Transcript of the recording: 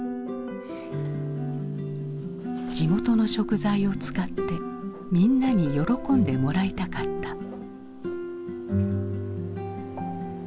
地元の食材を使ってみんなに喜んでもらいたかった。